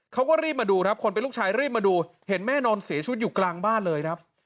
เขาก็รีบมาดูครับคนเป็นลูกชายรีบมาดูเห็นแม่นอนเสียชีวิตอยู่กลางบ้านเลยครับ